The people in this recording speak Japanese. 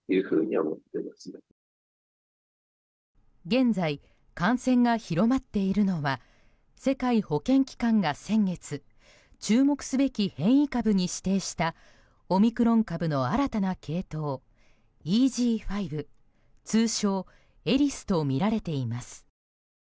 現在、感染が広まっているのは世界保健機関が先月注目すべき変異株に指定したオミクロン株の新たな系統ＥＧ．５通称エリスとみられています。